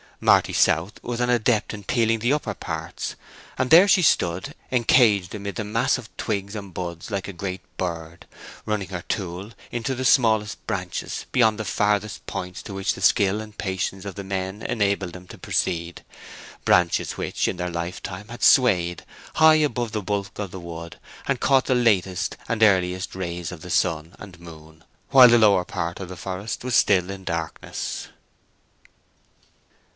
Marty South was an adept at peeling the upper parts, and there she stood encaged amid the mass of twigs and buds like a great bird, running her tool into the smallest branches, beyond the farthest points to which the skill and patience of the men enabled them to proceed—branches which, in their lifetime, had swayed high above the bulk of the wood, and caught the latest and earliest rays of the sun and moon while the lower part of the forest was still in darkness.